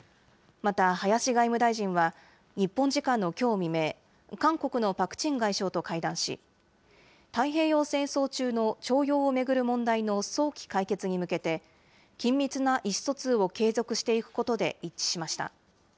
また、林外務大臣は、日本時間のきょう未明、韓国のパク・チン外相と会談し、太平洋戦争中の徴用を巡る問題の早期解決に向けて、緊密な意思疎通を継続していくことで一致しました。